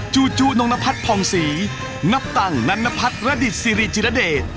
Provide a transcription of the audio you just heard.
จูจูนงนพัดพองศรีนับตังนันพัดระดิษฐ์ซีรีย์จิรเดช